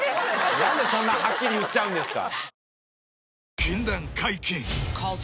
なんでそんなはっきり言っちゃうんですか！